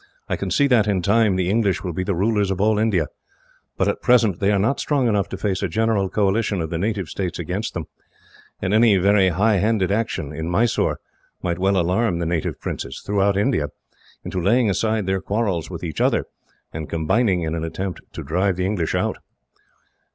I can see that, in time, the English will be the rulers of all India, but at present they are not strong enough to face a general coalition of the native states against them; and any very high handed action, in Mysore, might well alarm the native princes, throughout India, into laying aside their quarrels with each other, and combining in an attempt to drive them out."